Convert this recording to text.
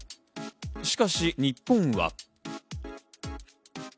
しかし日本は。